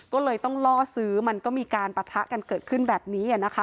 ก็เลยต้องล่อซื้อมันก็มีการปะทะกันเกิดขึ้นแบบนี้นะคะ